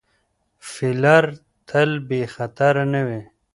فیلر تل بې خطره نه وي.